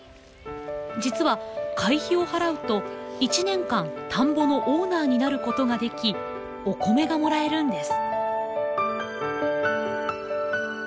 実は会費を払うと１年間田んぼのオーナーになることができお米がもらえるんです。